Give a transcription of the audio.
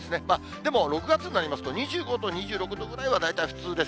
でも、６月になりますと、２５度、２６度ぐらいは、大体普通です。